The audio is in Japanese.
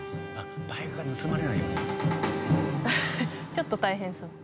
ちょっと大変そう。